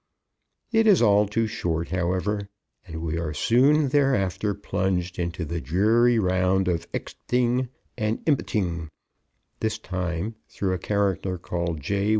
It is all too short, however, and we are soon thereafter plunged into the dreary round of expting and impting, this time through a character called _J.